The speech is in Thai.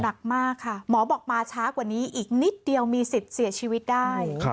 หนักมากค่ะหมอบอกมาช้ากว่านี้อีกนิดเดียวมีสิทธิ์เสียชีวิตได้